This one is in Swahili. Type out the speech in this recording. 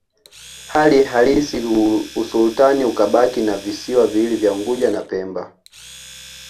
Hali halisi usultani ukabaki na visiwa viwili vya Unguja na Pemba tu